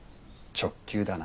直球だな。